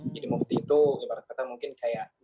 jadi mufti itu ibarat kata mungkin kayak dewan